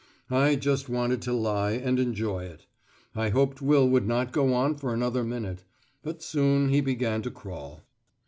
I just wanted to lie, and enjoy it. I hoped Will would not go on for another minute. But soon he began to crawl.